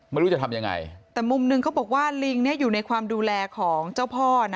ไม่รู้จะทำยังไงแต่มุมหนึ่งเขาบอกว่าลิงอยู่ในความดูแลของเจ้าพ่อนะ